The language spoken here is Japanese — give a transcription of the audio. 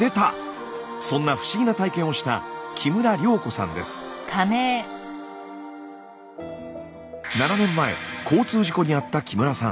そんな不思議な体験をした７年前交通事故に遭った木村さん。